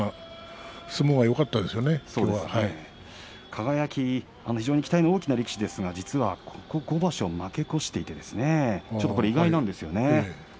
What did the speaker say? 輝は非常に期待も大きい力士ですがここ５場所負け越していて意外なんですよね。